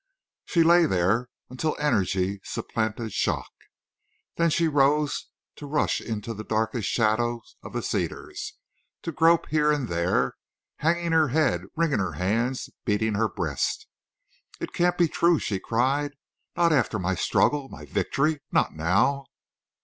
She lay there until energy supplanted shock. Then she rose to rush into the darkest shadows of the cedars, to grope here and there, hanging her head, wringing her hands, beating her breast. "It can't be true," she cried. "Not after my struggle—my victory—not _now!